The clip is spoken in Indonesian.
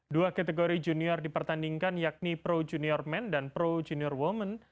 dua kategori junior dipertandingkan yakni pro junior men dan pro junior women